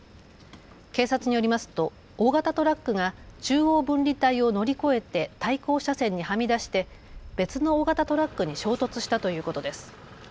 警察によりますと大型トラックが中央分離帯を乗り越えて対向車線にはみ出して別の大型トラックに衝突したということです。